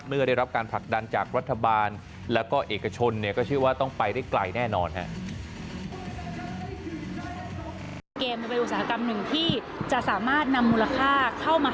ได้รับการผลักดันจากรัฐบาลแล้วก็เอกชนเนี่ยก็เชื่อว่าต้องไปได้ไกลแน่นอนครับ